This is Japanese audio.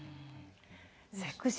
セクシー。